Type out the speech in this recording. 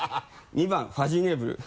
２番ファジーネーブル。